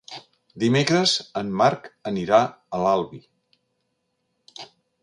Dimecres en Marc anirà a l'Albi.